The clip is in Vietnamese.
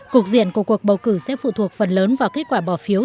cục diện của cuộc bầu cử sẽ phụ thuộc phần lớn vào kết quả bỏ phiếu